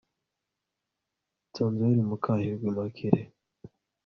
NSANZUWERA MUKAMUHIRWA Immacul e